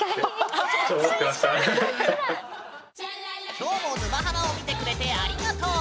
きょうも「沼ハマ」を見てくれてありがとう。